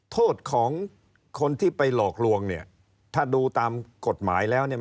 โทษของคนที่ไปหลอกลวงเนี่ยถ้าดูตามกฎหมายแล้วเนี่ย